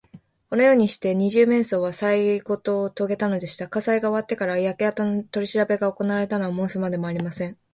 このようにして、二十面相はさいごをとげたのでした。火災が終わってから、焼けあとのとりしらべがおこなわれたのは申すまでもありません。